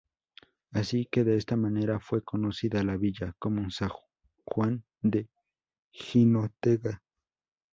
Así que de esta manera fue conocida la villa, como San Juan de Jinotega.